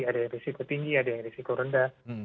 ada risiko tinggi ada yang risiko rendah